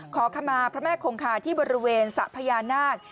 ขอขมาพระแม่คงคาที่บริเวณสระพญานาค